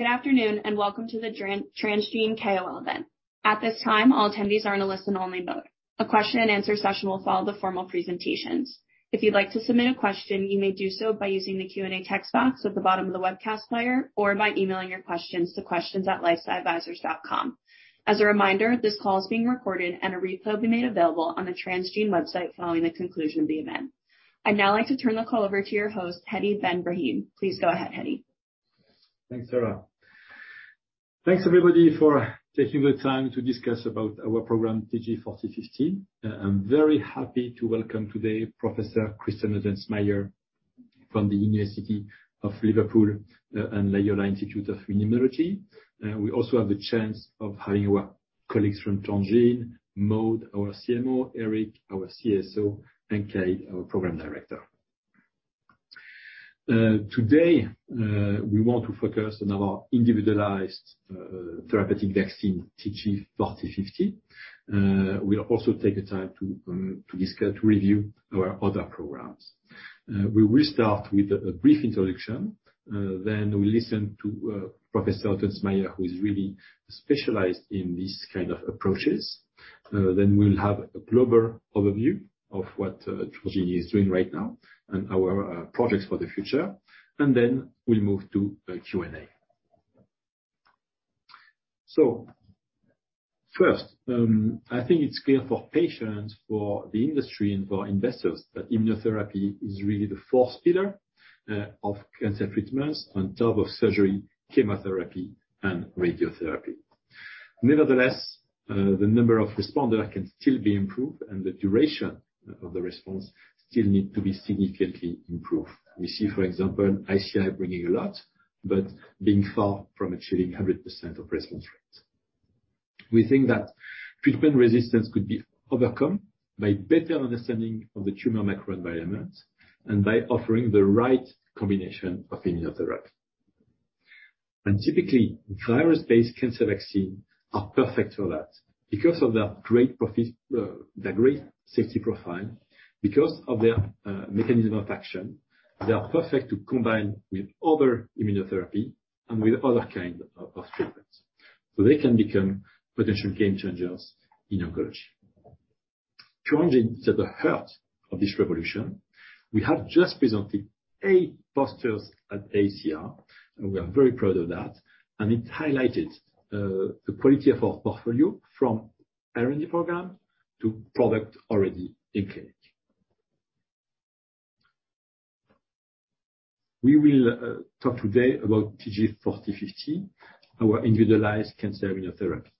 Good afternoon, welcome to the Transgene KOL event. At this time, all attendees are in a listen-only mode. A question and answer session will follow the formal presentations. If you'd like to submit a question, you may do so by using the Q&A text box at the bottom of the webcast player or by emailing your questions to questions@lifesciadvisors.com. As a reminder, this call is being recorded and a replay will be made available on the Transgene website following the conclusion of the event. I'd now like to turn the call over to your host, Hedi Ben Brahim. Please go ahead, Hedi. Thanks, Sarah. Thanks everybody for taking the time to discuss about our program TG4050. I'm very happy to welcome today Professor Christian Ottensmeier from the University of Liverpool and La Jolla Institute for Immunology. We also have the chance of having our colleagues from Transgene, Maud, our CMO, Eric, our CSO, and Kate, our Program Director. Today, we want to focus on our individualized therapeutic vaccine TG4050. We'll also take the time to discuss, review our other programs. We will start with a brief introduction, then we'll listen to Professor Ottensmeier, who is really specialized in these kind of approaches. Then we'll have a global overview of what Transgene is doing right now and our projects for the future. Then we'll move to a Q&A. First, I think it's clear for patients, for the industry and for investors that immunotherapy is really the fourth pillar of cancer treatments on top of surgery, chemotherapy and radiotherapy. Nevertheless, the number of responder can still be improved and the duration of the response still need to be significantly improved. We see, for example, ICI bringing a lot, but being far from achieving 100% of response rates. We think that treatment resistance could be overcome by better understanding of the tumor microenvironment and by offering the right combination of immunotherapies. Typically, virus-based cancer vaccine are perfect for that. Because of their great safety profile, because of their mechanism of action, they are perfect to combine with other immunotherapy and with other kind of treatments. They can become potential game changers in oncology. Transgene is at the heart of this revolution. We have just presented eight posters at AACR, and we are very proud of that. It highlighted the quality of our portfolio from R&D program to product already in clinic. We will talk today about TG4050, our individualized cancer immunotherapy.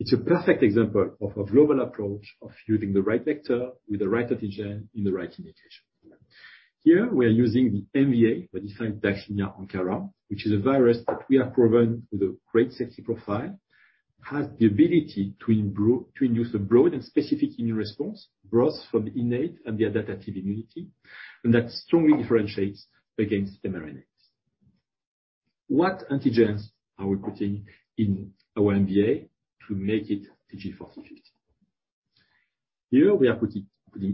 It's a perfect example of a global approach of using the right vector with the right antigen in the right indication. Here we are using the MVA, modified vaccinia Ankara, which is a virus that we have proven with a great safety profile, has the ability to induce a broad and specific immune response, both from the innate and the adaptive immunity, and that strongly differentiates against mRNAs. What antigens are we putting in our MVA to make it TG4050? Here we are putting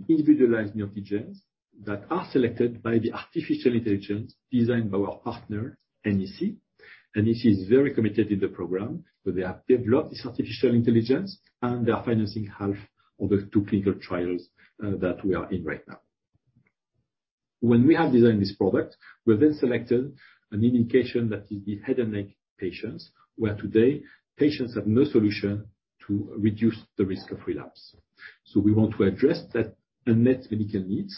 individualized neoantigens that are selected by the artificial intelligence designed by our partner, NEC. NEC is very committed in the program. They have developed this artificial intelligence, and they are financing half of the 2 clinical trials that we are in right now. When we have designed this product, we then selected an indication that is the head and neck patients, where today patients have no solution to reduce the risk of relapse. We want to address that unmet medical needs,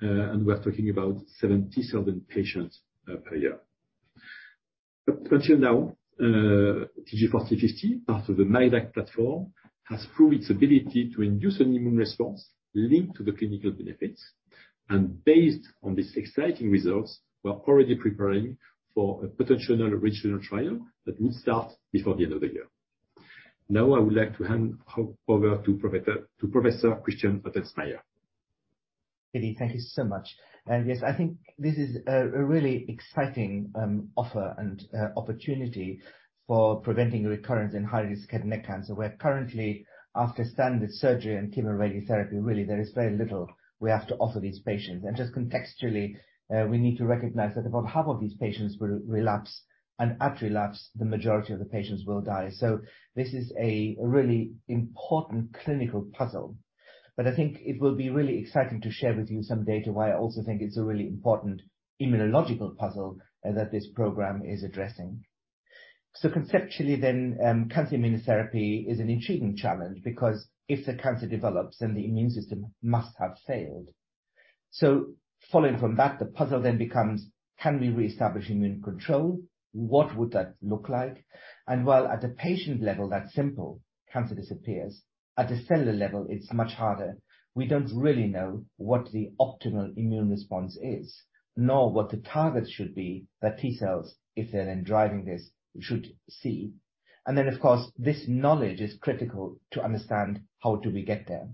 and we are talking about 77 patients per year. Until now, TG4050, part of the myvac platform, has proved its ability to induce an immune response linked to the clinical benefits. Based on these exciting results, we are already preparing for a potential original trial that will start before the end of the year. Now I would like to hand over to Professor Christian Ottensmeier. Hedi, thank you so much. Yes, I think this is a really exciting offer and opportunity for preventing recurrence in high-risk head and neck cancer, where currently, after standard surgery and chemoradiotherapy, really there is very little we have to offer these patients. Just contextually, we need to recognize that about half of these patients will relapse, and at relapse, the majority of the patients will die. This is a really important clinical puzzle. I think it will be really exciting to share with you some data why I also think it's a really important immunological puzzle that this program is addressing. Conceptually then, cancer immunotherapy is an intriguing challenge because if the cancer develops, then the immune system must have failed. Following from that, the puzzle then becomes can we reestablish immune control? What would that look like? While at the patient level that's simple, cancer disappears, at the cellular level it's much harder. We don't really know what the optimal immune response is, nor what the targets should be that T-cells if they're then driving this should see. Of course this knowledge is critical to understand how do we get there.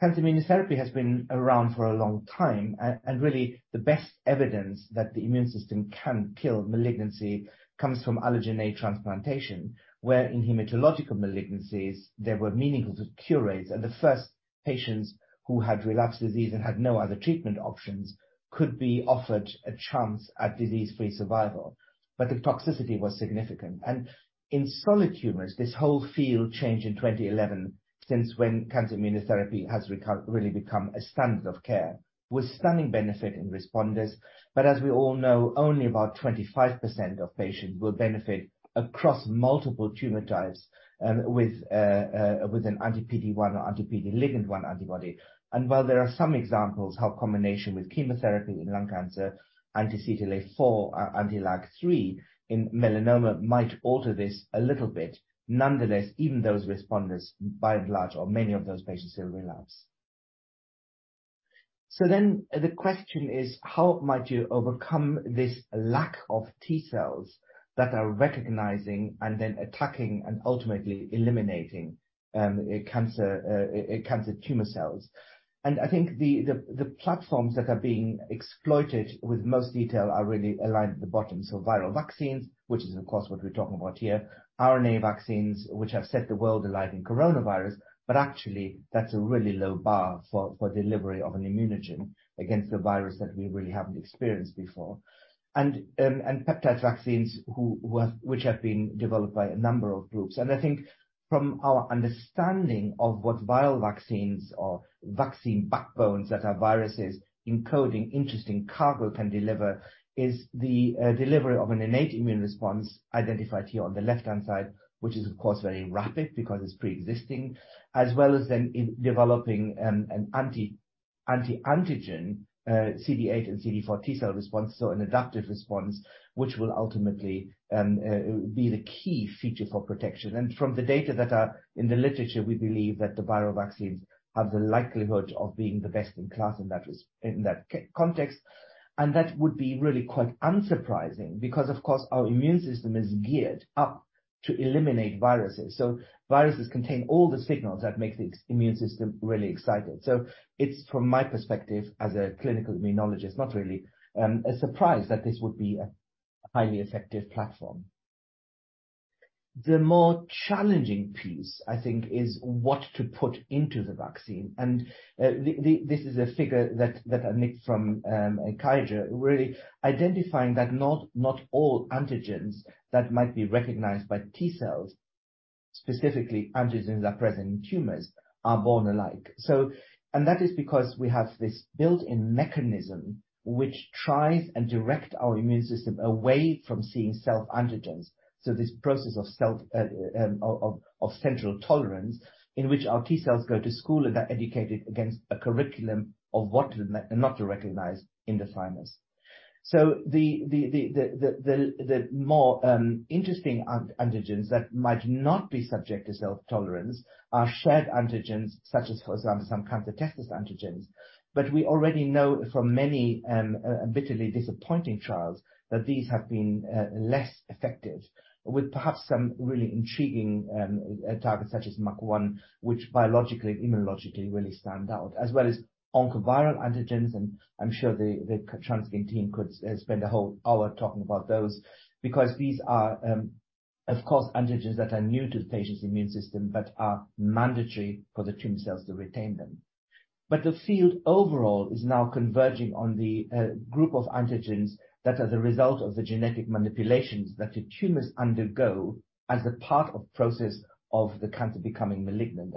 Cancer immunotherapy has been around for a long time, and really, the best evidence that the immune system can kill malignancy comes from allogeneic transplantation, where in hematological malignancies there were meaningful curates, and the first patients who had relapsed disease and had no other treatment options could be offered a chance at disease-free survival. The toxicity was significant. In solid tumors, this whole field changed in 2011 since when cancer immunotherapy has really become a standard of care with stunning benefit in responders. As we all know, only about 25% of patients will benefit across multiple tumor types, with an anti-PD-1 or anti-PD-L1 antibody. While there are some examples how combination with chemotherapy in lung cancer, anti-CTLA-4, anti-LAG-3 in melanoma might alter this a little bit. Nonetheless, even those responders, by and large, or many of those patients will relapse. The question is, how might you overcome this lack of T cells that are recognizing and then attacking and ultimately eliminating a cancer tumor cells? I think the platforms that are being exploited with most detail are really aligned at the bottom. Viral vaccines, which is of course what we're talking about here, RNA vaccines, which have set the world alight in coronavirus, but actually that's a really low bar for delivery of an immunogen against a virus that we really haven't experienced before. Peptide vaccines which have been developed by a number of groups. I think from our understanding of what viral vaccines or vaccine backbones that are viruses encoding interesting cargo can deliver is the delivery of an innate immune response identified here on the left-hand side, which is of course very rapid because it's pre-existing, as well as then in developing an anti-antigen CD8 and CD4 T cell response, so an adaptive response, which will ultimately be the key feature for protection. From the data that are in the literature, we believe that the viral vaccines have the likelihood of being the best in class in that context. That would be really quite unsurprising because, of course, our immune system is geared up to eliminate viruses. Viruses contain all the signals that make the immune system really excited. It's from my perspective, as a clinical immunologist, not really a surprise that this would be a highly effective platform. The more challenging piece, I think, is what to put into the vaccine. This is a figure that I nicked from Kiger, really identifying that not all antigens that might be recognized by T cells, specifically antigens that are present in tumors, are born alike. That is because we have this built-in mechanism which tries and direct our immune system away from seeing self-antigens. This process of self, of central tolerance in which our T cells go to school and are educated against a curriculum of what not to recognize in the sinus. The more interesting antigens that might not be subject to self-tolerance are shared antigens such as, for example, some cancer/testis antigens. We already know from many bitterly disappointing trials that these have been less effective with perhaps some really intriguing targets such as MUC1, which biologically and immunologically really stand out, as well as oncoviral antigens, and I'm sure the Transgene team could spend a whole hour talking about those because these are, of course, antigens that are new to the patient's immune system but are mandatory for the tumor cells to retain them. The field overall is now converging on the group of antigens that are the result of the genetic manipulations that the tumors undergo as a part of process of the cancer becoming malignant.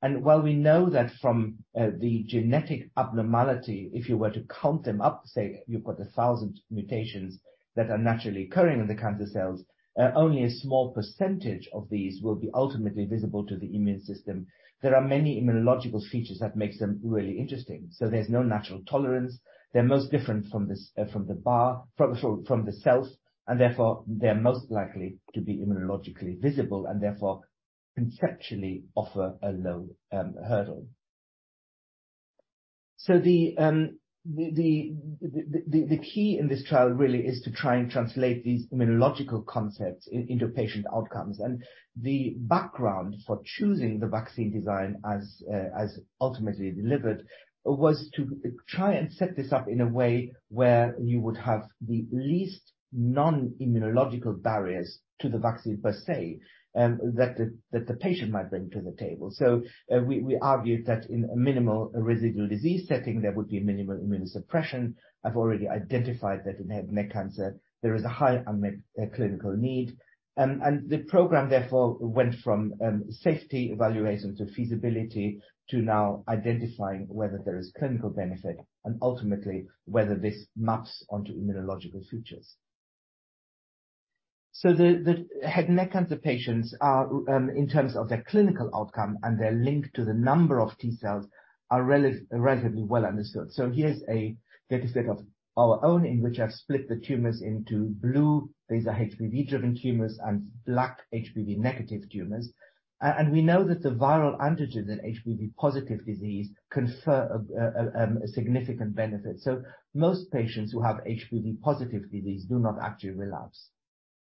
While we know that from the genetic abnormality, if you were to count them up, say you've got 1,000 mutations that are naturally occurring in the cancer cells, only a small percentage of these will be ultimately visible to the immune system. There are many immunological features that makes them really interesting. There's no natural tolerance. They're most different from the bar, from the cells, and therefore, they're most likely to be immunologically visible and therefore conceptually offer a low hurdle. The key in this trial really is to try and translate these immunological concepts into patient outcomes. The background for choosing the vaccine design as ultimately delivered was to try and set this up in a way where you would have the least non-immunological barriers to the vaccine per se, that the patient might bring to the table. We argued that in a minimal residual disease setting, there would be minimal immunosuppression. I've already identified that in head neck cancer there is a high unmet clinical need. The program therefore went from safety evaluations of feasibility to now identifying whether there is clinical benefit and ultimately whether this maps onto immunological features. The head neck cancer patients are in terms of their clinical outcome and their link to the number of T cells are relatively well understood. Here's a dataset of our own in which I've split the tumors into blue. These are HPV-driven tumors and black HPV negative tumors. And we know that the viral antigens in HPV positive disease confer a significant benefit. Most patients who have HPV positive disease do not actually relapse.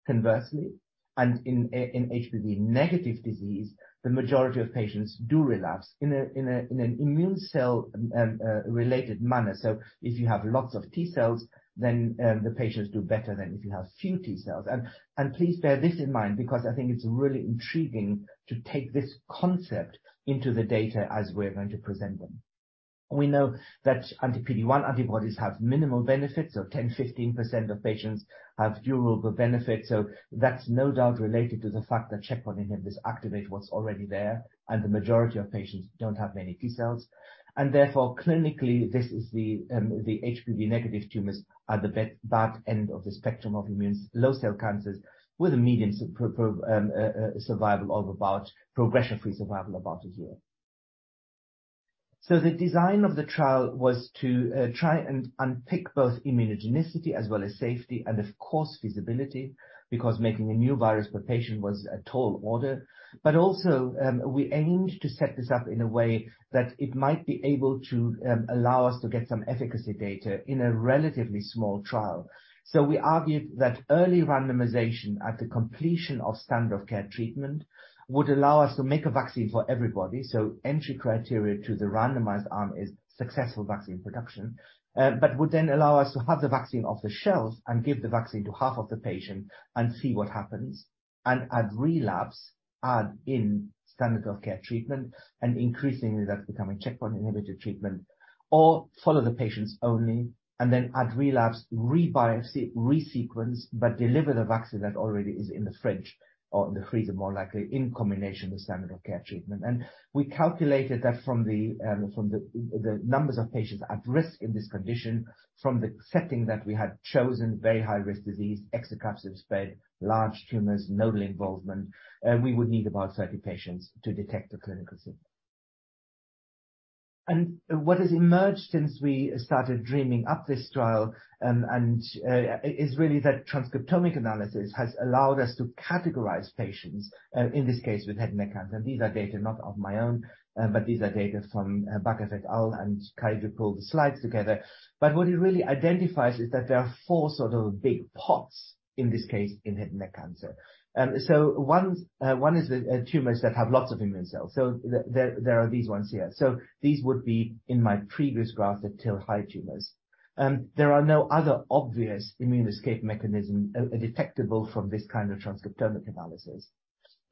Conversely, and in HPV negative disease, the majority of patients do relapse in an immune cell related manner. If you have lots of T-cells, then the patients do better than if you have few T-cells. And please bear this in mind because I think it's really intriguing to take this concept into the data as we're going to present them. We know that anti-PD-1 antibodies have minimal benefits. 10-15% of patients have durable benefit. That's no doubt related to the fact that checkpoint inhibitors activate what's already there, and the majority of patients don't have many T-cells. Therefore, clinically, this is the HPV negative tumors are the bad end of the spectrum of immune low cell cancers with a median progression-free survival of about 1 year. The design of the trial was to try and unpick both immunogenicity as well as safety and of course, feasibility, because making a new virus per patient was a tall order. Also, we aimed to set this up in a way that it might be able to allow us to get some efficacy data in a relatively small trial. We argued that early randomization at the completion of standard of care treatment would allow us to make a vaccine for everybody. Entry criteria to the randomized arm is successful vaccine production, but would then allow us to have the vaccine off the shelf and give the vaccine to half of the patient and see what happens. At relapse, add in standard of care treatment and increasingly that's becoming checkpoint inhibitor treatment. Follow the patients only and then at relapse, re-biopsy, re-sequence, but deliver the vaccine that already is in the fridge or in the freezer, more likely in combination with standard of care treatment. We calculated that from the from the numbers of patients at risk in this condition, from the setting that we had chosen, very high risk disease, extracapsular spread, large tumors, nodal involvement, we would need about 30 patients to detect a clinical signal. What has emerged since we started dreaming up this trial, and is really that transcriptomic analysis has allowed us to categorize patients in this case with head neck cancer. These are data not of my own, but these are data from Keck et al. and Kaïdre pulled the slides together. What it really identifies is that there are 4 sort of big pots in this case in head neck cancer. One is the tumors that have lots of immune cells. There are these ones here. These would be in my previous graph, the TIL-high tumors. There are no other obvious immune escape mechanism detectable from this kind of transcriptomic analysis.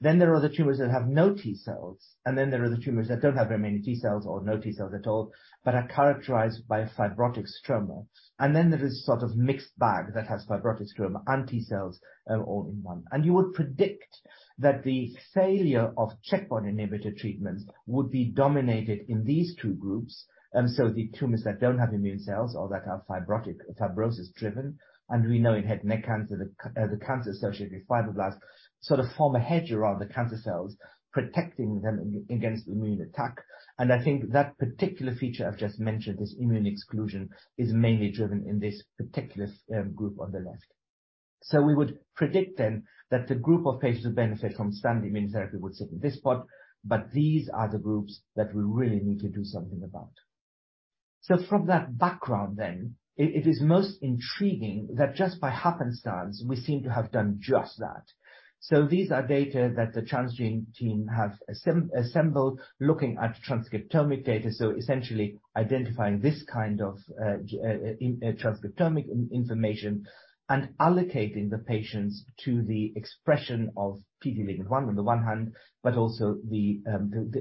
There are the tumors that have no T-cells, and then there are the tumors that don't have very many T-cells or no T-cells at all, but are characterized by a fibrotic stroma. There is sort of mixed bag that has fibrotic stroma and T-cells all in one. You would predict that the failure of checkpoint inhibitor treatments would be dominated in these two groups, the tumors that don't have immune cells or that are fibrotic, fibrosis-driven. We know in head neck cancer, the cancer-associated fibroblasts sort of form a hedge around the cancer cells, protecting them against immune attack. I think that particular feature I've just mentioned, this immune exclusion, is mainly driven in this particular group on the left. We would predict then that the group of patients who benefit from standard immune therapy would sit in this pot, but these are the groups that we really need to do something about. From that background then, it is most intriguing that just by happenstance we seem to have done just that. These are data that the Transgene team have assembled, looking at transcriptomic data, essentially identifying this kind of transcriptomic information and allocating the patients to the expression of PD-L1 on the 1 hand, but also the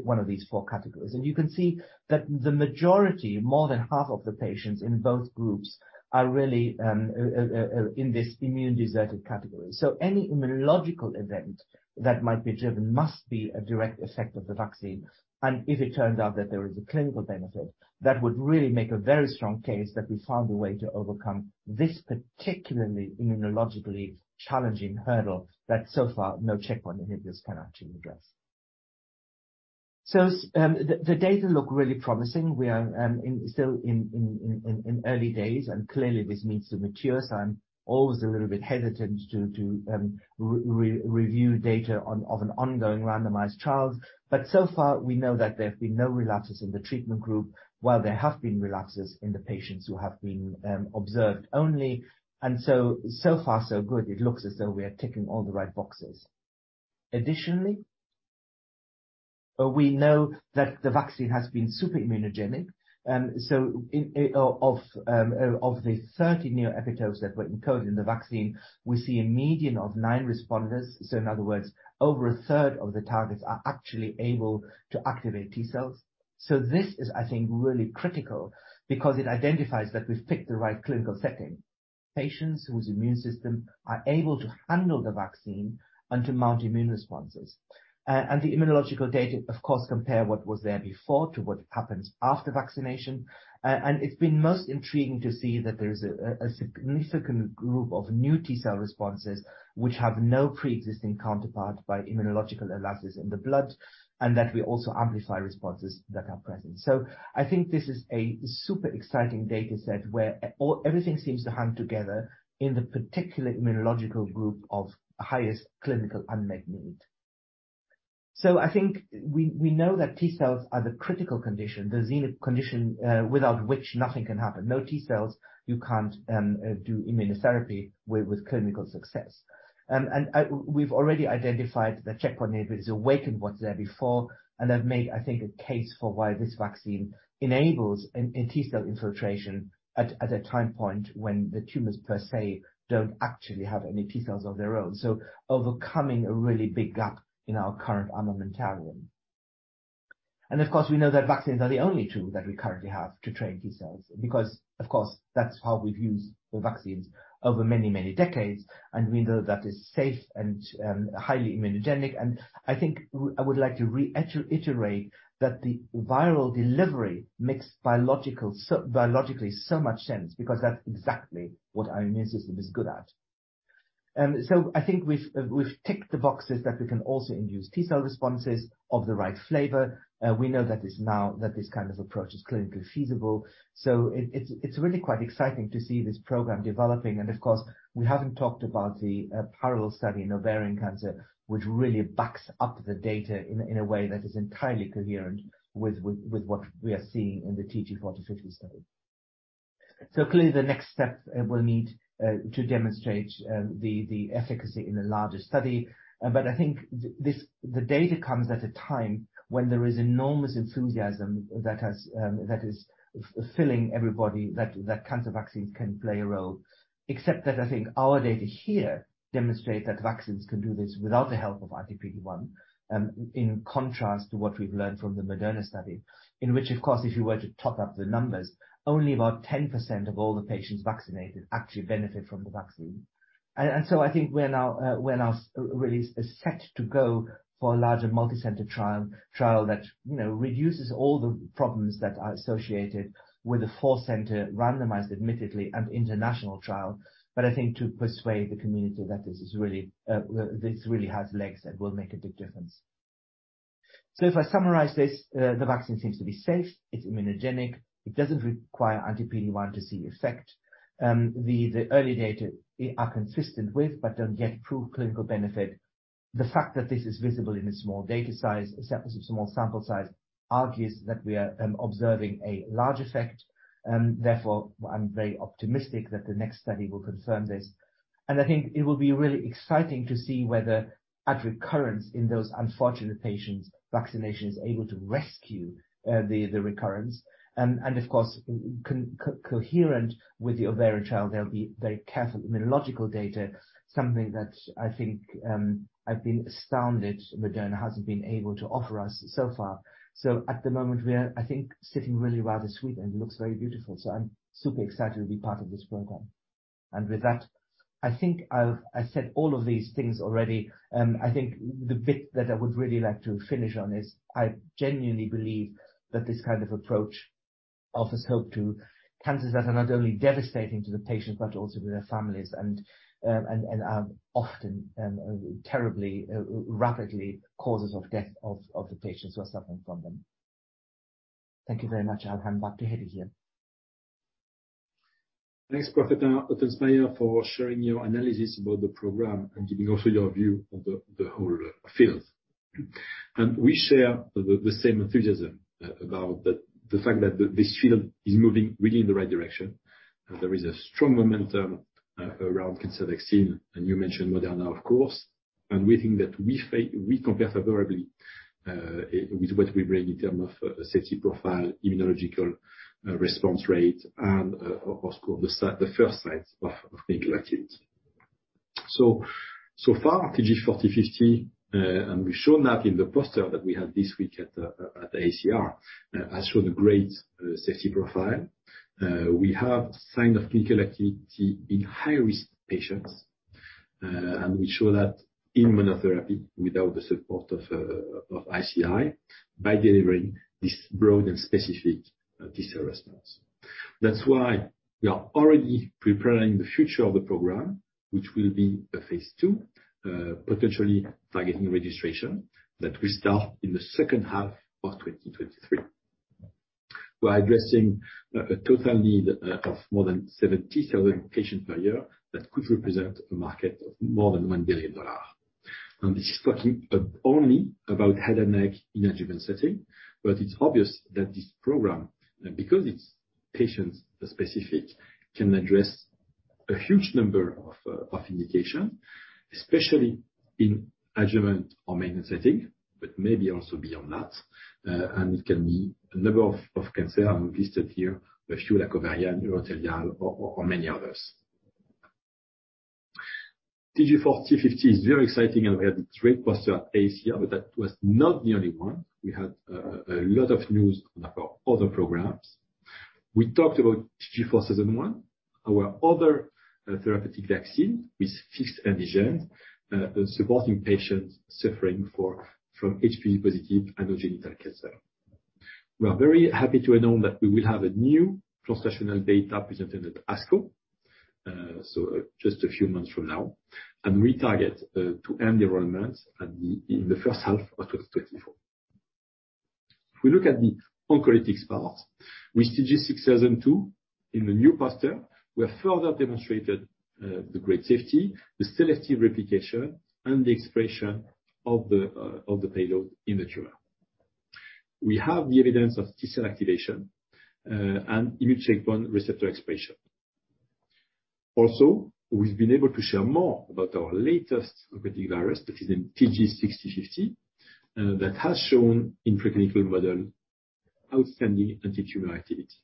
1 of these 4 categories. You can see that the majority, more than half of the patients in both groups are really in this immune deserted category. Any immunological event that might be driven must be a direct effect of the vaccine. If it turns out that there is a clinical benefit, that would really make a very strong case that we found a way to overcome this particularly immunologically challenging hurdle that so far no checkpoint inhibitors can actually address. The data look really promising. We are still in early days, and clearly this needs to mature. I'm always a little bit hesitant to review data on of an ongoing randomized trials. So far, we know that there have been no relapses in the treatment group, while there have been relapses in the patients who have been observed only. So far so good. It looks as though we are ticking all the right boxes. Additionally, we know that the vaccine has been super immunogenic. Of the 30 new epitopes that were encoded in the vaccine, we see a median of 9 responders. In other words, over a third of the targets are actually able to activate T-cells. This is, I think, really critical because it identifies that we've picked the right clinical setting. Patients whose immune system are able to handle the vaccine and to mount immune responses. The immunological data, of course, compare what was there before to what happens after vaccination. It's been most intriguing to see that there is a significant group of new T-cell responses which have no pre-existing counterpart by immunological analysis in the blood, and that we also amplify responses that are present. I think this is a super exciting data set where everything seems to hang together in the particular immunological group of highest clinical unmet need. I think we know that T cells are the critical condition, the condition without which nothing can happen. No T cells, you can't do immunotherapy with clinical success. We've already identified the checkpoint inhibitors awaken what's there before, and they've made, I think, a case for why this vaccine enables a T cell infiltration at a time point when the tumors per se don't actually have any T cells of their own. Overcoming a really big gap in our current armamentarium. Of course, we know that vaccines are the only tool that we currently have to train T cells, because of course, that's how we've used vaccines over many, many decades, and we know that it's safe and highly immunogenic. I think I would like to reiterate that the viral delivery makes biologically so much sense, because that's exactly what our immune system is good at. I think we've ticked the boxes that we can also induce T cell responses of the right flavor. We know that this kind of approach is clinically feasible. It's really quite exciting to see this program developing. Of course, we haven't talked about the parallel study in ovarian cancer, which really backs up the data in a way that is entirely coherent with what we are seeing in the TG4050 study. Clearly the next step, we'll need to demonstrate the efficacy in a larger study. I think the data comes at a time when there is enormous enthusiasm that has, that is filling everybody that cancer vaccines can play a role. Except that I think our data here demonstrate that vaccines can do this without the help of PD-1, in contrast to what we've learned from the Moderna study, in which, of course, if you were to top up the numbers, only about 10% of all the patients vaccinated actually benefit from the vaccine. I think we're now really set to go for a larger multi-center trial that, you know, reduces all the problems that are associated with a 4-center randomized, admittedly, and international trial. I think to persuade the community that this really has legs and will make a big difference. If I summarize this, the vaccine seems to be safe, it's immunogenic, it doesn't require anti-PD-1 to see effect. The early data are consistent with, but don't yet prove clinical benefit. The fact that this is visible in a small data size, small sample size, argues that we are observing a large effect. Therefore, I'm very optimistic that the next study will confirm this. I think it will be really exciting to see whether at recurrence in those unfortunate patients, vaccination is able to rescue the recurrence. Of course, co-coherent with the ovarian trial, there'll be very careful immunological data, something that I think I've been astounded Moderna hasn't been able to offer us so far. At the moment we're, I think, sitting really rather sweet and looks very beautiful. I'm super excited to be part of this program. With that, I think I've said all of these things already. I think the bit that I would really like to finish on is I genuinely believe that this kind of approach offers hope to cancers that are not only devastating to the patients, but also to their families, and are often, terribly, rapidly causes of death of the patients who are suffering from them. Thank you very much. I'll hand back to Hedi Ben Brahim. Thanks, Professor Ottensmeier, for sharing your analysis about the program and giving also your view on the whole field. We share the same enthusiasm about the fact that this field is moving really in the right direction. There is a strong momentum around cancer vaccine, and you mentioned Moderna, of course. We think that we compare favorably with what we bring in term of safety profile, immunological response rate, and of course, called the first sites of clinical activity. So far TG4050, and we've shown that in the poster that we had this week at AACR, has shown a great safety profile. We have signed off clinical activity in high-risk patients, and we show that in monotherapy without the support of ICI by delivering this broad and specific T cell response. That's why we are already preparing the future of the program, which will be a Phase 2, potentially targeting registration that will start in the second half of 2023. We're addressing a total need of more than 70,000 patients per year that could represent a market of more than $1 billion. This is talking only about head and neck in adjuvant setting, but it's obvious that this program, because it's patient specific, can address a huge number of indication, especially in adjuvant or maintenance setting, but maybe also beyond that. It can be a number of cancer listed here, a few like ovarian, urothelial or many others. TG4050 is very exciting and we had a great poster at AACR, but that was not the only one. We had a lot of news on our other programs. We talked about TG4001, our other therapeutic vaccine with fixed antigen, supporting patients suffering from HPV positive anogenital cancer. We are very happy to announce that we will have a new cross-sectional data presented at ASCO, just a few months from now. We target to end the enrollment in the first half of 2024. If we look at the oncolytics part, with TG6002 in the new poster, we have further demonstrated the great safety, the selective replication, and the expression of the payload in the tumor. We have the evidence of T-cell activation and immune checkpoint receptor expression. We've been able to share more about our latest oncolytic virus that is in TG6050 that has shown in preclinical model outstanding antitumor activity.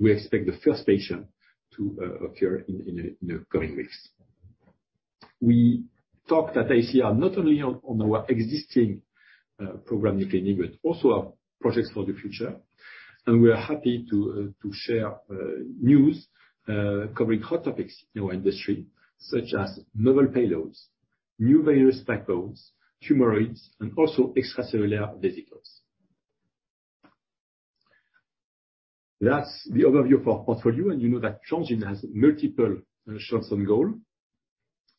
We expect the first patient to appear in the coming weeks. We talked at AACR not only on our existing program in clinic, but also our projects for the future. We are happy to share news covering hot topics in our industry such as novel payloads, new virus backbones, tumoroids, and also extracellular vesicles. That's the overview for our portfolio, and you know that Transgene has multiple shots on goal.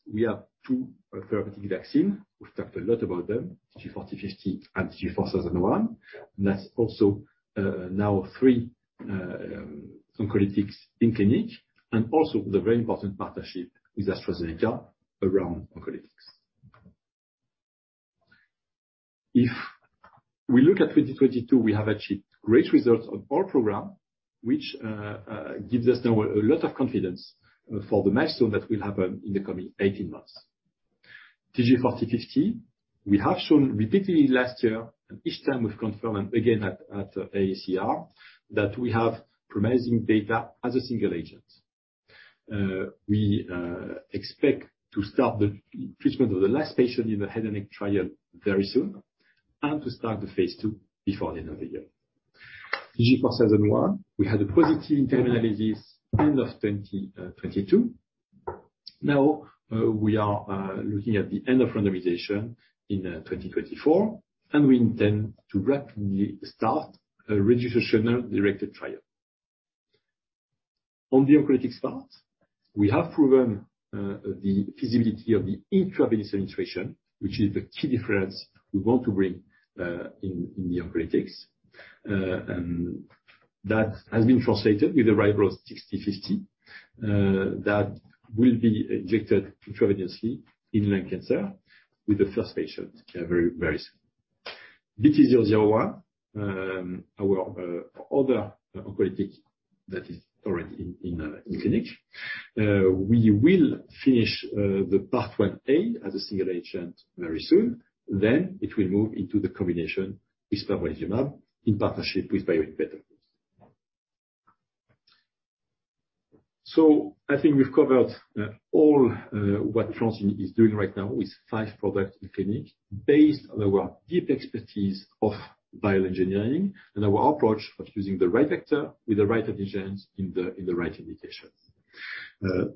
We have 2 therapeutic vaccine. We've talked a lot about them, TG4050 and TG4001. That's also now 3 oncolytics in clinic and also the very important partnership with AstraZeneca around oncolytics. If we look at 2022, we have achieved great results on all program, which gives us now a lot of confidence for the milestone that will happen in the coming 18 months. TG4050, we have shown repeatedly last year, and each time we've confirmed again at AACR, that we have promising data as a single agent. We expect to start the treatment of the last patient in the head and neck trial very soon and to start the Phase 2 before the end of the year. TG4001, we had a positive interim analysis end of 2022. Now, we are looking at the end of randomization in 2024, and we intend to rapidly start a registration-directed trial. On the oncolytics part, we have proven the feasibility of the intravenous administration, which is the key difference we want to bring in the oncolytics. That has been translated with the arrival of TG6050, that will be injected intravenously in lung cancer with the first patient care very soon. BT-001, our other oncolytic that is already in clinic. We will finish the part 1A as a single agent very soon. It will move into the combination with pembrolizumab in partnership with BioInvent. I think we've covered all what Transgene is doing right now with 5 products in clinic based on our deep expertise of bioengineering and our approach of choosing the right vector with the right antigens in the right indications.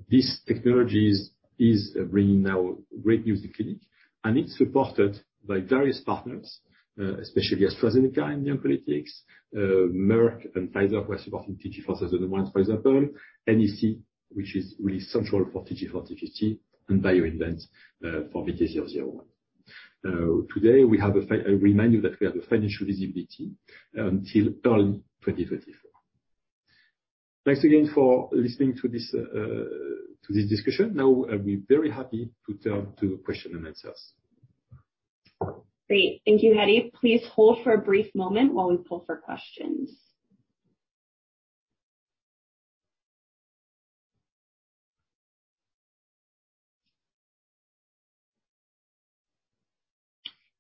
This technologies is bringing now great news in clinic, and it's supported by various partners, especially AstraZeneca in the oncolytics, Merck and Pfizer who are supporting TG4001, for example, NEC, which is really central for TG4050, and BioInvent for BT-001. Today we have a reminder that we have a financial visibility until early 2034. Thanks again for listening to this to this discussion. Now I'll be very happy to turn to question and answers. Great. Thank you, Hedi. Please hold for a brief moment while we pull for questions.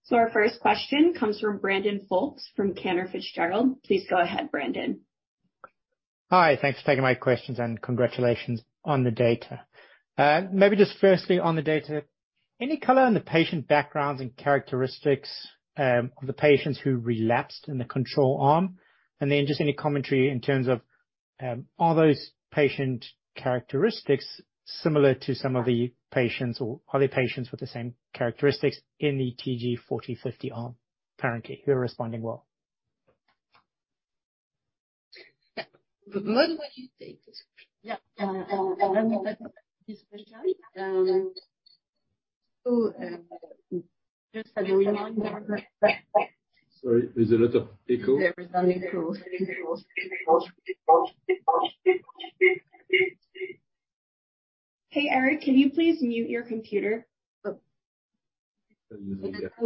Our first question comes from Brandon Folkes from Cantor Fitzgerald. Please go ahead, Brandon. Hi. Thanks for taking my questions, and congratulations on the data. Maybe just firstly on the data, any color on the patient backgrounds and characteristics of the patients who relapsed in the control arm? Then just any commentary in terms of, are those patient characteristics similar to some of the patients, or are they patients with the same characteristics in the TG4050 arm, apparently, who are responding well? Yeah. Maud, would you take this? Yeah. Just as a reminder. Sorry, there's a lot of echo. There is an echo. Hey, Eric, can you please mute your computer? Yeah.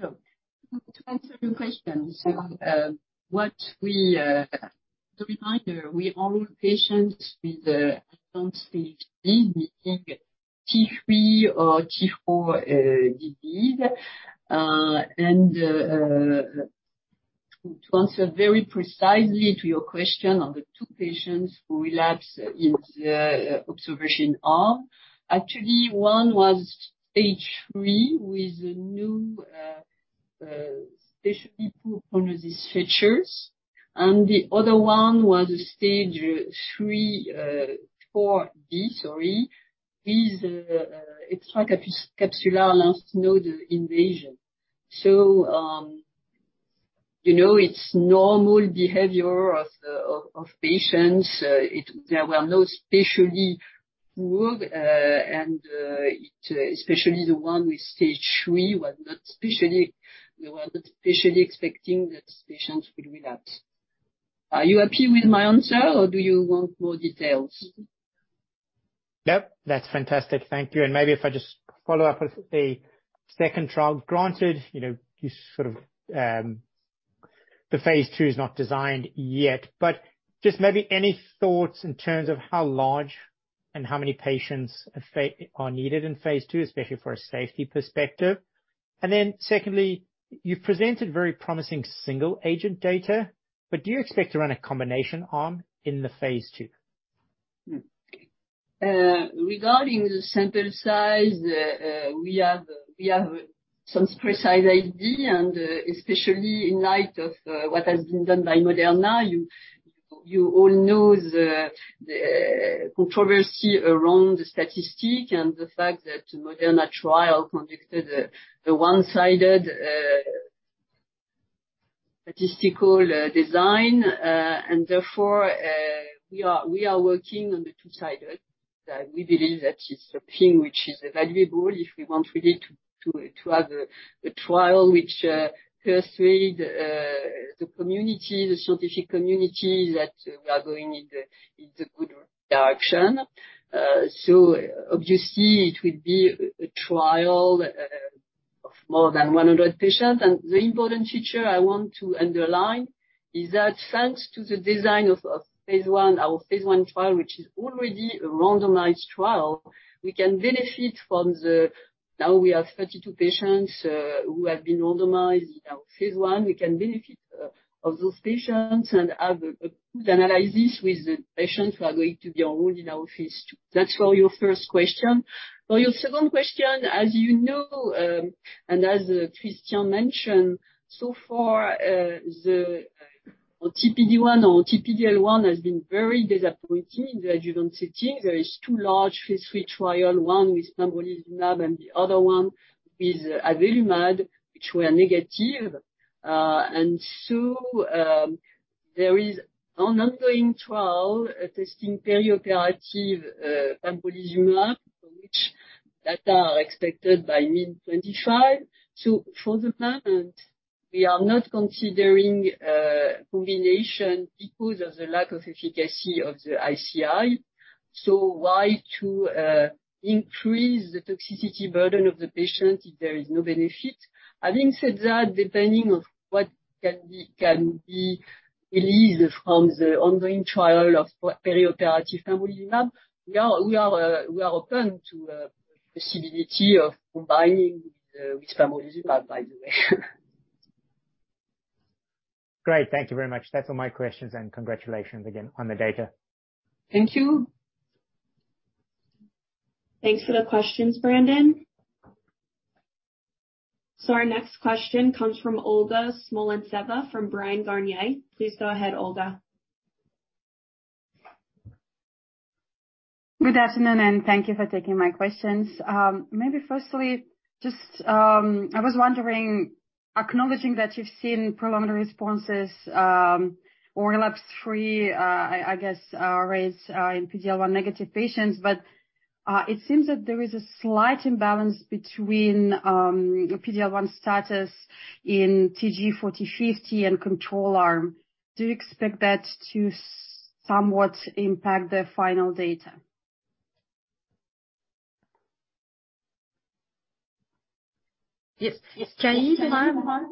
To answer your questions. A reminder, we enroll patients with advanced stage disease, we take T3 or T4 disease. To answer very precisely to your question on the 2 patients who relapse in the observation arm, actually one was Stage 3 with new especially poor prognosis features. The other one was Stage IVb, sorry, with extracapsular lymph node invasion. You know, it's normal behavior of patients. There were no especially good, and especially the one with Stage 3 was not especially expecting that patients will do that. Are you happy with my answer or do you want more details? Yep, that's fantastic. Thank you. Maybe if I just follow up with the second trial. Granted, you know, you sort of, the Phase 2 is not designed yet. Just maybe any thoughts in terms of how large and how many patients effect are needed in Phase 2, especially for a safety perspective? Then secondly, you've presented very promising single agent data, but do you expect to run a combination arm in the Phase 2? Regarding the sample size, we have some precise idea and especially in light of what has been done by Moderna. You all know the controversy around the statistic and the fact that Moderna trial conducted the one-sided statistical design. Therefore, we are working on the two-sided. We believe that it's something which is valuable if we want really to have a trial which persuade the community, the scientific community that we are going in the good direction. Obviously it will be a trial of more than 100 patients. The important feature I want to underline is that thanks to the design of Phase 1, our Phase 1 trial, which is already a randomized trial, we can benefit from the... Now we have 32 patients who have been randomized in our Phase 1. We can benefit of those patients and have a good analysis with the patients who are going to be enrolled in our Phase 2. That's for your first question. For your second question, as you know, as Christian mentioned, so far, the PD-1 or PD-L1 has been very disappointing in the adjuvant setting. There is 2 large Phase 3 trial, one with pembrolizumab and the other one with avelumab, which were negative. There is an ongoing trial testing perioperative pembrolizumab for which data are expected by mid 2025. For the moment, we are not considering combination because of the lack of efficacy of the ICI. Why to increase the toxicity burden of the patient if there is no benefit? Having said that, depending on what can be released from the ongoing trial of perioperative pembrolizumab, we are open to possibility of combining with pembrolizumab, by the way. Great. Thank you very much. That's all my questions. Congratulations again on the data. Thank you. Thanks for the questions, Brandon. Our next question comes from Olga Smolentseva from Bryan, Garnier. Please go ahead, Olga. Good afternoon. Thank you for taking my questions. Maybe firstly just, I was wondering, acknowledging that you've seen preliminary responses, or relapse free, I guess, rates in PD-L1 negative patients. It seems that there is a slight imbalance between PD-L1 status in TG4050 and control arm. Do you expect that to somewhat impact the final data? Yes. Can you hear me, Juan?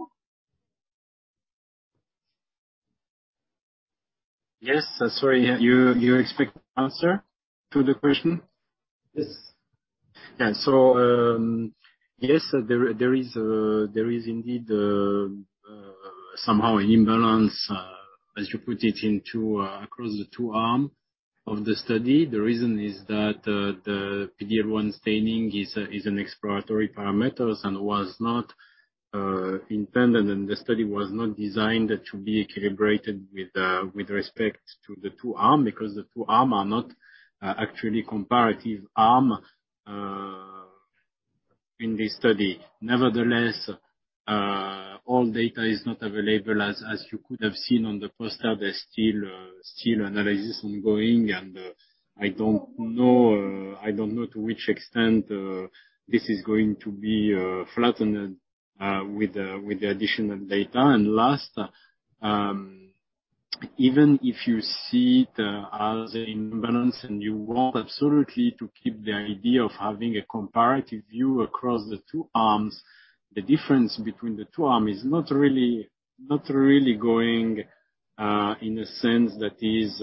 Yes. Sorry. You expect answer to the question? Yes. Yes, there is, there is indeed, somehow imbalance, as you put it, into across the two arm of the study. The reason is that the PDL1 staining is an exploratory parameters and was not intended, and the study was not designed to be calibrated with respect to the two arm because the two arm are not actually comparative arm in this study. Nevertheless, all data is not available. As you could have seen on the poster, there's still analysis ongoing. I don't know, I don't know to which extent this is going to be flattened with the additional data. Last, even if you see the other imbalance and you want absolutely to keep the idea of having a comparative view across the two arms, the difference between the two arm is not really going in a sense that is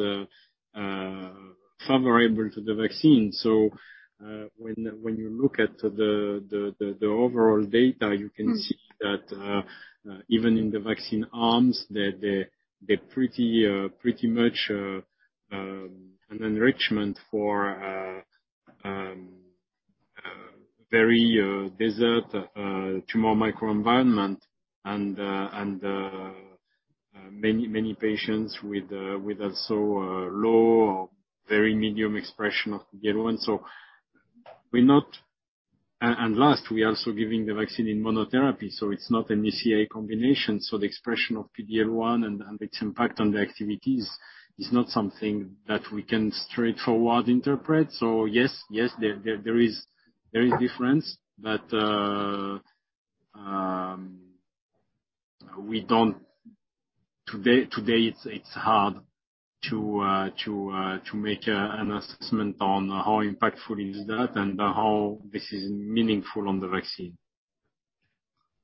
favorable to the vaccine. When you look at the overall data you can see that even in the vaccine arms, the pretty much an enrichment for very desert tumor microenvironment and many patients with also low or very medium expression of PD-L1. Last, we are also giving the vaccine in monotherapy, so it's not an ECA combination. The expression of PD-L1 and its impact on the activities is not something that we can straightforward interpret. Yes, there is difference. Today it's hard to make an assessment on how impactful is that and how this is meaningful on the vaccine.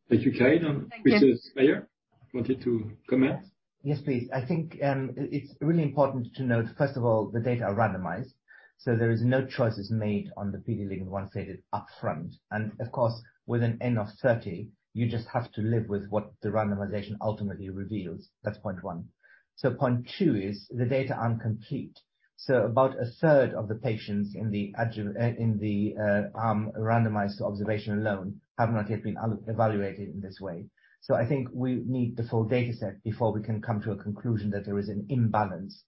Thank you, Kaïdre. Thank you. Professor Ottensmeier, wanted to comment? Yes, please. I think it's really important to note, first of all, the data are randomized, so there is no choices made on the PD-L1 stated up front. Of course, with an N of 30, you just have to live with what the randomization ultimately reveals. That's point one. Point two is the data are incomplete. About a third of the patients in the randomized observation alone have not yet been evaluated in this way. I think we need the full data set before we can come to a conclusion that there is an imbalance.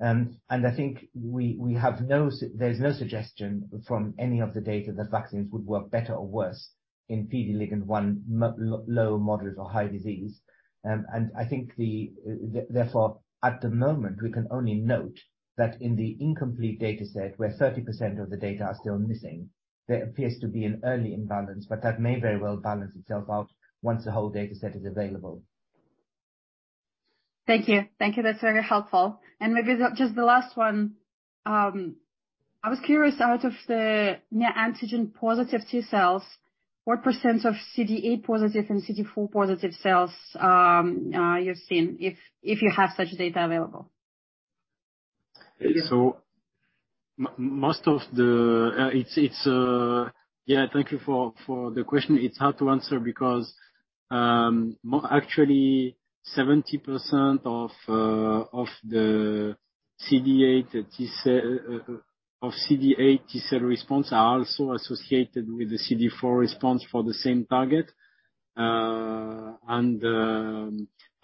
I think we have no suggestion from any of the data that vaccines would work better or worse in PD-L1 low, moderate or high disease. I think the, therefore, at the moment, we can only note that in the incomplete data set, where 30% of the data are still missing, there appears to be an early imbalance, but that may very well balance itself out once the whole data set is available. Thank you. Thank you. That's very helpful. Maybe just the last one. I was curious, out of the neoantigen positive T cells, what % of CD8 positive and CD4 positive cells, you're seeing, if you have such data available? Most of the... It's... Yeah, thank you for the question. It's hard to answer because, actually 70% of the CD8 T-cell of CD8 T-cell response are also associated with the CD4 response for the same target.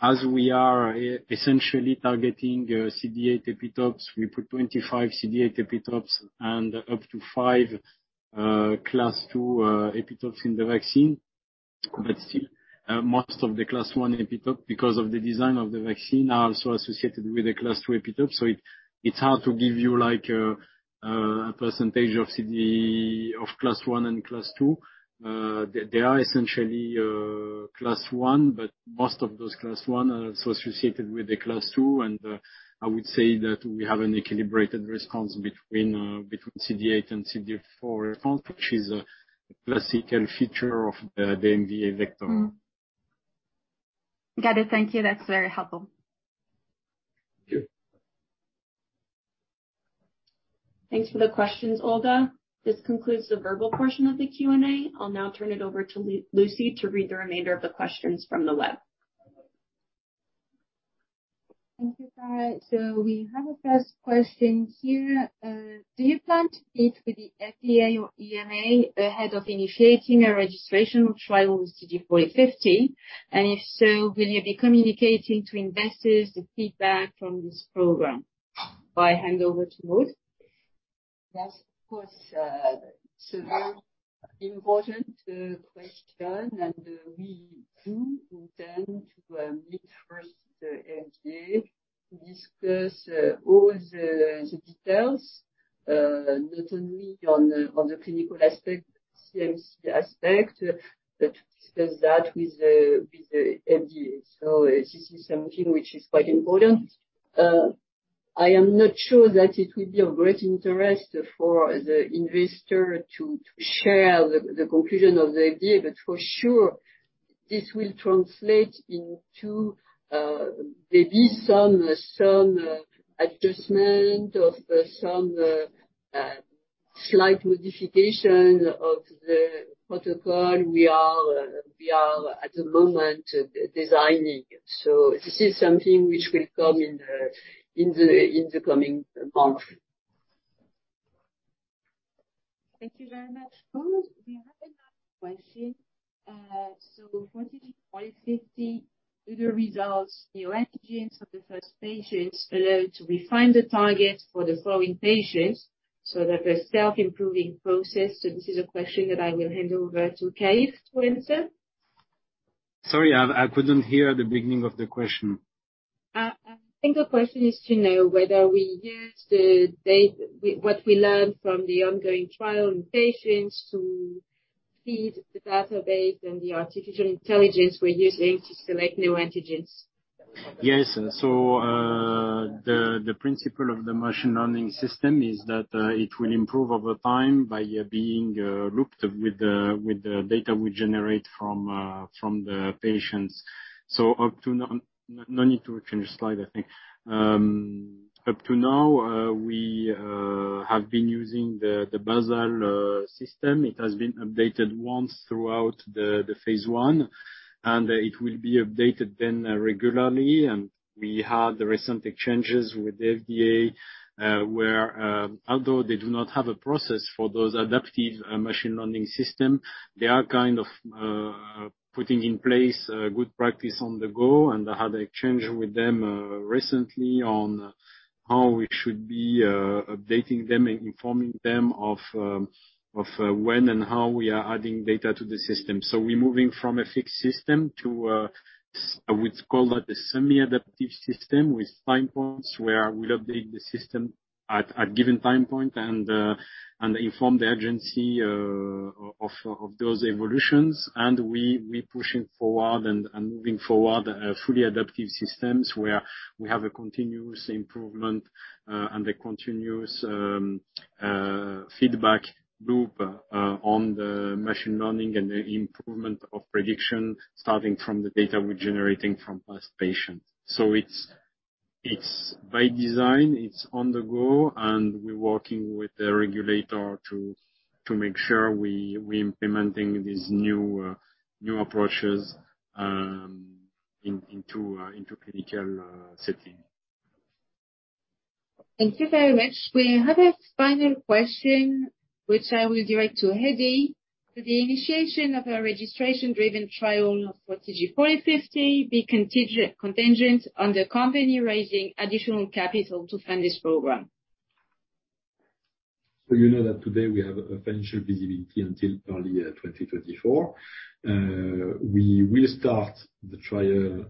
As we are essentially targeting CD8 epitopes, we put 25 CD8 epitopes and up to 5 class II epitopes in the vaccine. Still, most of the class I epitope, because of the design of the vaccine, are also associated with the class II epitope. It's hard to give you, like, a percentage of class I and class II. They are essentially class I, but most of those class I are associated with the class II. I would say that we have an calibrated response between CD8 and CD4 response, which is a classical feature of the MVA vector. Got it. Thank you. That's very helpful. Okay. Thanks for the questions, Olga. This concludes the verbal portion of the Q&A. I'll now turn it over to Lucy to read the remainder of the questions from the web. Thank you, Kai. We have a first question here. Do you plan to meet with the FDA or EMA ahead of initiating a registration trial with TG4050? If so, will you be communicating to investors the feedback from this program? I hand over to Maud. That's, of course, it's a very important question. We do intend to meet first the FDA to discuss all the details, not only on the clinical aspect, CMC aspect, but discuss that with the FDA. This is something which is quite important. I am not sure that it will be of great interest for the investor to share the conclusion of the FDA, but for sure it will translate into maybe some adjustment of some slight modification of the protocol we are at the moment de-designing. This is something which will come in the coming month. Thank you very much. Maud, we have another question. For TG4050, do the results, neoantigens of the first patients allow to refine the target for the following patients so that the self-improving process? This is a question that I will hand over to Kaïdre to answer. Sorry, I couldn't hear the beginning of the question. I think the question is to know whether we use the data, what we learned from the ongoing trial in patients to feed the database and the artificial intelligence we're using to select neoantigens. Yes. The principle of the machine learning system is that it will improve over time by being looped with the data we generate from the patients. Up to now. No need to change the Slide, I think. Up to now, we have been using the Basel system. It has been updated once throughout the Phase 1, and it will be updated then regularly. We had the recent exchanges with the FDA, where although they do not have a process for those adaptive machine learning system, they are kind of putting in place a good practice on the go. I had an exchange with them recently on how we should be updating them and informing them of when and how we are adding data to the system. We're moving from a fixed system. I would call that a semi-adaptive system with time points where we'll update the system at given time point and inform the agency of those evolutions. We're pushing forward and moving forward fully adaptive systems where we have a continuous improvement and a continuous feedback loop on the machine learning and the improvement of prediction starting from the data we're generating from past patients. It's by design, it's on the go, and we're working with the regulator to make sure we implementing these new approaches into clinical setting. Thank you very much. We have a final question which I will direct to Hedi. Will the initiation of a registration driven trial of TG4050 be contingent on the company raising additional capital to fund this program? You know that today we have a financial visibility until early, 2024. We will start the trial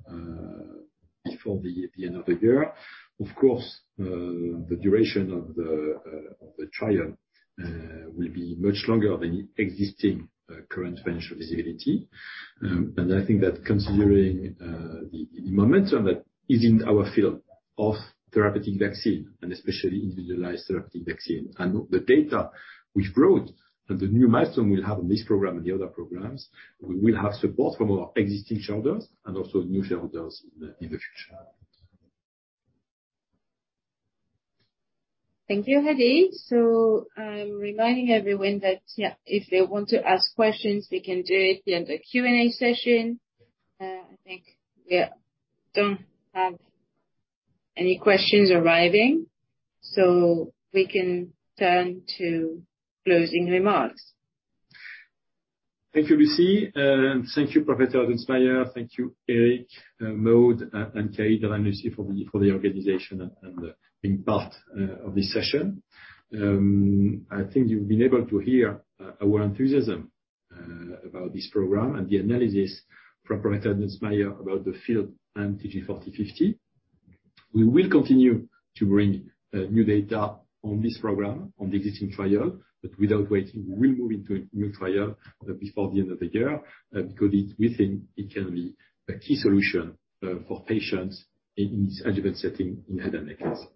before the end of the year. Of course, the duration of the of the trial will be much longer than existing current financial visibility. I think that considering the momentum that is in our field of therapeutic vaccine, and especially individualized therapeutic vaccine, and the data we've brought and the new milestone we'll have on this program and the other programs, we will have support from our existing shareholders and also new shareholders in the in the future. Thank you, Hedi. I'm reminding everyone that, yeah, if they want to ask questions, they can do it in the Q&A session. I think we don't have any questions arriving, we can turn to closing remarks. Thank you, Lucy. Thank you, Professor Ottensmeier. Thank you, Eric, Maud, and Kaïdre Bendjama for the organization and being part of this session. I think you've been able to hear our enthusiasm about this program and the analysis from Professor Ottensmeier about the field and TG4050. We will continue to bring new data on this program, on the existing trial. Without waiting, we'll move into a new trial before the end of the year, because it can be a key solution for patients in this adjuvant setting in head and neck cancer.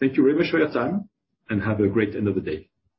Thank you very much for your time, and have a great end of the day.